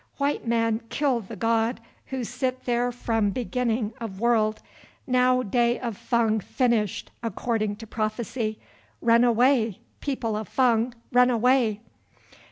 White man kill the god who sit there from beginning of world, now day of Fung finished according to prophecy. Run away, people of Fung, run away!